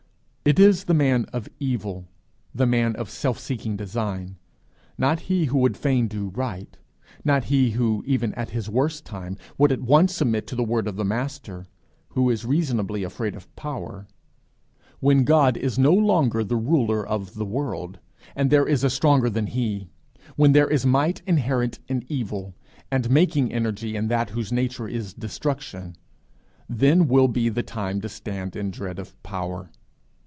It is the man of evil, the man of self seeking design, not he who would fain do right, not he who, even in his worst time, would at once submit to the word of the Master, who is reasonably afraid of power. When God is no longer the ruler of the world, and there is a stronger than he; when there is might inherent in evil, and making energy in that whose nature is destruction; then will be the time to stand in dread of power.